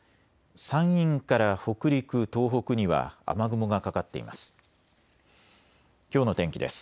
山陰から北陸、東北には雨雲がかかっています。